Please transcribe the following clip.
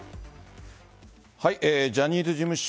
ジャニーズ事務所